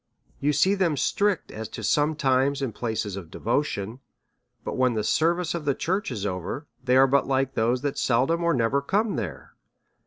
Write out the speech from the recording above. You see them strict as to some times and places of devotion ; but when the service of the church is over, they are bnt like those that seldom or never come there.